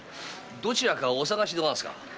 どちらかお探しでござんすか？